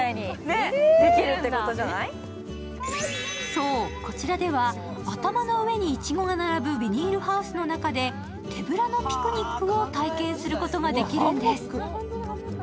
そう、こちらでは頭の上にいちごが並ぶビニールハウスの中で手ぶらのピクニックを体験することができるんです。